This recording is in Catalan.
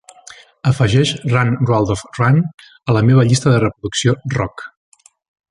Afegeix "Run Rudolph, Run" a la meva llista de reproducció rock.